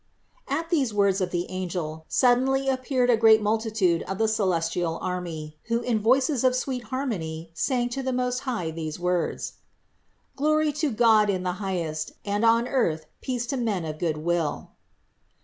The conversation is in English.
At these words of the angel, suddenly appeared a great multitude of the celestial army, who in voices of sweet harmony sang to the Most High these words : "Glory to God in the highest and on earth peace to men of good will."